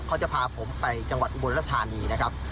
เขาจะพาผมไปจังหวัดอุบลรัฐธานีนะครับ